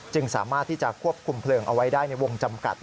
สามารถที่จะควบคุมเพลิงเอาไว้ได้ในวงจำกัด